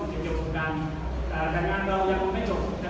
เพราะว่ามันภาคมาควิทยุ๒๖ปีนะครับ